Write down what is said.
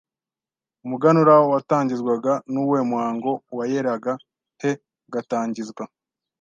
Umuganura watangizwaga n’uwuhe muhango Waeraga he Ugatangizwa